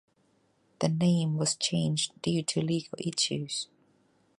The name was changed due to legal issues.